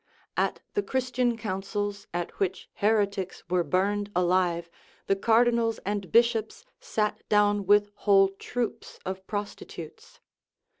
At the Christian councils, at which heretics were burned alive, the cardinals and bishops sat down with whole troops of prostitutes.